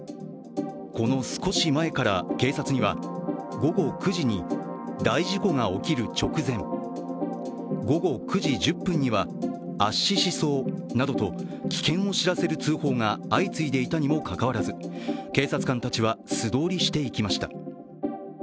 この少し前から警察には、午後９時に大事故が起きる直前、午後９時１０分には圧死しそうなどと危険を知らせる通報が相次いでいたにもかかわらず警察官たちは素通りしていきました。